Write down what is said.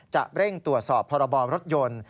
จะเร่งตรวจสอบภาระบอร์รถยนต์